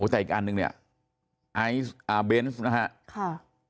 แต่อีกอันนึงเนี่ยไอซ์เบนส์นะฮะค่ะ